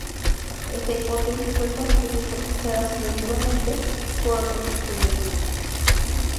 Esta hipótesis fue corregida y precisada sucesivamente por otros estudiosos.